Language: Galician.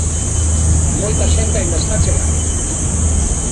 Moita xente aínda está a chegar.